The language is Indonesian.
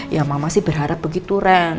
ya mama sih berharap begitu ren